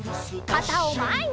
かたをまえに！